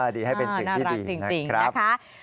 ดีให้เป็นสิ่งที่ดีน่ารักจริงนะคะ